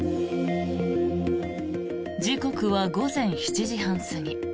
時刻は午前７時半過ぎ。